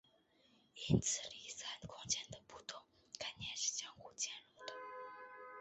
因此离散空间的不同概念是相互兼容的。